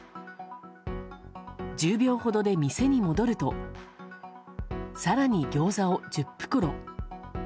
１０秒ほどで店に戻ると更にギョーザを１０袋。